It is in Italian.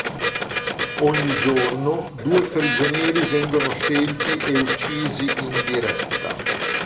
Ogni giorno, due prigionieri vengono scelti e uccisi in diretta.